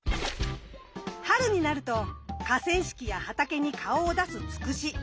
春になると河川敷や畑に顔を出すツクシ。